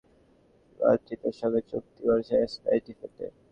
নতুন করে পাঁচ বছরের জন্য রিয়াল মাদ্রিদের সঙ্গে চুক্তি করেছেন স্প্যানিশ ডিফেন্ডার।